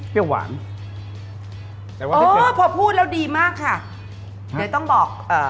หวานแต่ว่าคือพอพูดแล้วดีมากค่ะเดี๋ยวต้องบอกเอ่อ